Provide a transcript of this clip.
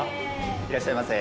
いらっしゃいませ。